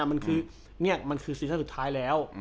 มันคือเนี่ยมันคือศิลป์สุดท้ายแล้ว